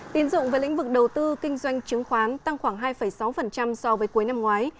tiền dụng lĩnh vực đầu tư kinh doanh chứng khoán tăng khoảng hai sáu so với cuối năm ngoái